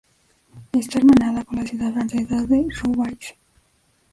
Está hermanada con la ciudad francesa de Roubaix.